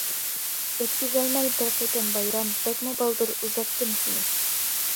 ئۆتكۈزەلمەي بىر قېتىم بايرام، بەكمۇ بالدۇر ئۇزاتتىم سېنى.